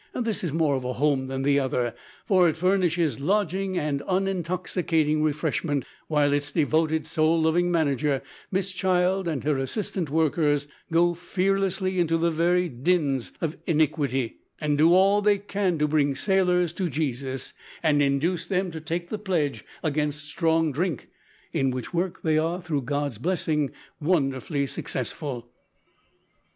This is more of a home than the other, for it furnishes lodging and unintoxicating refreshment, while its devoted soul loving manager, Miss Child, and her assistant workers, go fearlessly into the very dens of iniquity, and do all they can to bring sailors to Jesus, and induce them to take the pledge against strong drink, in which work they are, through God's blessing, wonderfully successful.